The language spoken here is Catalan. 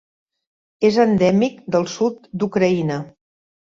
És endèmic del sud d'Ucraïna.